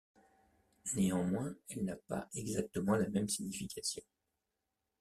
Néanmoins, elle n’a pas exactement la même signification.